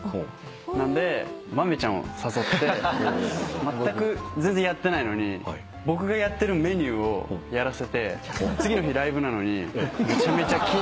なんでまめちゃんを誘ってまったく全然やってないのに僕がやってるメニューをやらせて次の日ライブなのにめちゃめちゃ。